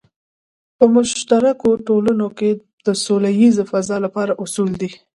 په مشترکو ټولنو کې د سوله ییزې فضا لپاره اصول دی.